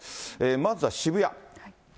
まずは渋谷。